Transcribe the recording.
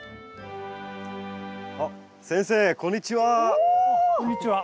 あっ先生こんにちは。